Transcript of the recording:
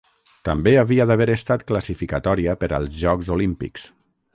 També havia d'haver estat classificatòria per als Jocs Olímpics.